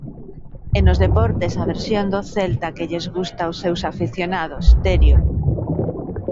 E nos deportes, a versión do Celta que lles gusta aos seus afeccionados, Terio.